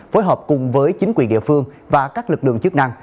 phối hợp cùng với chính quyền địa phương và các lực lượng chức năng